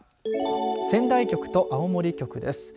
仙台局と青森局です。